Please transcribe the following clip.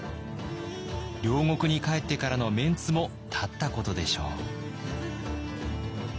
領国に帰ってからのメンツも立ったことでしょう。